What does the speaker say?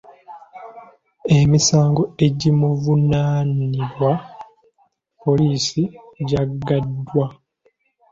Emisango egimuvunaanwa poliisi gyagaddwa.